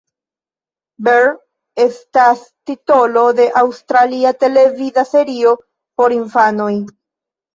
Bear estas titolo de aŭstralia televida serio por infanoj.